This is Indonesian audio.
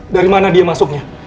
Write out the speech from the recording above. dari mana dia masuknya